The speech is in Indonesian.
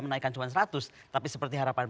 menaikkan cuma seratus tapi seperti harapan